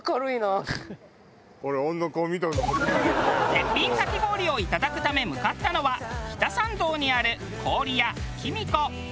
絶品かき氷をいただくため向かったのは北参道にある氷屋きみこ。